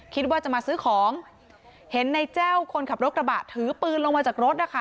คิดว่าจะมาซื้อของเห็นในแจ้วคนขับรถกระบะถือปืนลงมาจากรถนะคะ